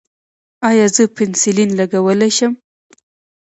ایا زه پنسلین لګولی شم؟